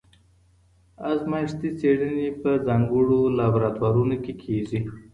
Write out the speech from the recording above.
ازمایښتي څېړني په ځانګړو لابراتوارونو کي کيږي.